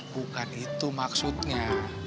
bukan itu maksudnya